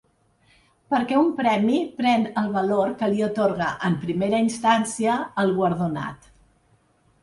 Perquè un premi pren el valor que li atorga en primera instància el guardonat.